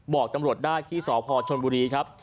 บอกตำรวจได้ที่สพชนบุรีครับ